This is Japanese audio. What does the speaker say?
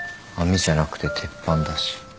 網じゃなくて鉄板だし。